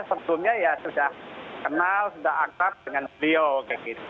sebelumnya ya sudah kenal sudah akrab dengan beliau